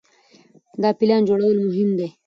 د پلان جوړول مهم دي.